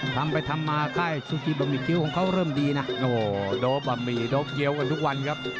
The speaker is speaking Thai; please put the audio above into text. ทำไปทำมาค่ายซูกิบะหมี่คิ้วของเขาเริ่มดีนะโอ้โหโดปะหมี่โด๊บเดียวกันทุกวันครับ